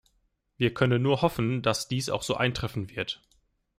Wir können nur hoffen, dass dies auch so eintreffen wird.